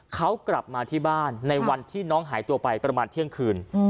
เขากลับมาที่บ้านในวันที่น้องหายตัวไปประมาณเที่ยงคืน